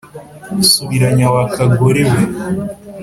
subiranya wa kagore we ,)